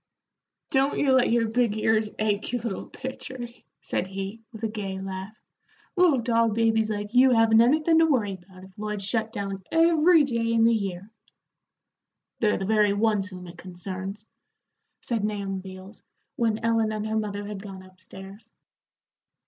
"Don't you let your big ears ache, you little pitcher," said he, with a gay laugh. "Little doll babies like you haven't anythin' to worry about if Lloyd's shut down every day in the year." "They're the very ones whom it concerns," said Nahum Beals, when Ellen and her mother had gone up stairs.